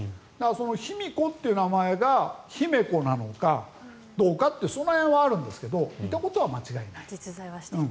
卑弥呼という名前が「ひめこ」なのかどうかってその辺はあるんですがいたことは間違いない。